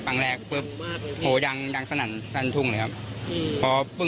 ปั้งแรกปุ๊บโอ้ยังสนั่นทุ่งเลยครับ